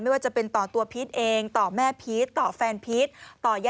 ว่าจะเป็นต่อตัวพีชเองต่อแม่พีชต่อแฟนพีชต่อย่า